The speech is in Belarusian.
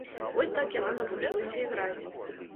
Вось так яна навучылася іграць.